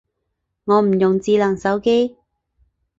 我唔用智能手機